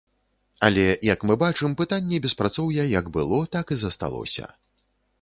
Але, як мы бачым, пытанне беспрацоўя як было, так і засталося.